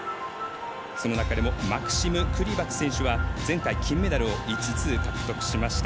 その中でもマクシム・クリパク選手は前回金メダルを５つ獲得しました。